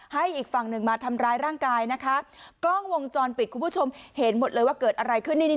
ให้อีกฝั่งหนึ่งมาทำร้ายร่างกายนะคะกล้องวงจรปิดคุณผู้ชมเห็นหมดเลยว่าเกิดอะไรขึ้น